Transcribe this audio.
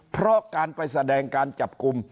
เพราะการไปแสดงการจับกลุ่ม